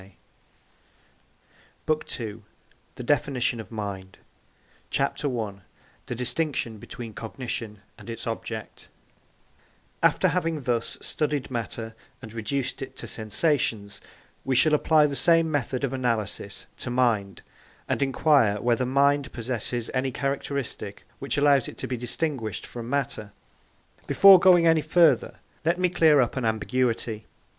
] BOOK II THE DEFINITION OF MIND CHAPTER I THE DISTINCTION BETWEEN COGNITION AND ITS OBJECT After having thus studied matter and reduced it to sensations, we shall apply the same method of analysis to mind, and inquire whether mind possesses any characteristic which allows it to be distinguished from matter. Before going any further, let me clear up an ambiguity.